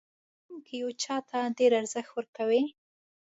کله چې په ژوند کې یو چاته ډېر ارزښت ورکوو.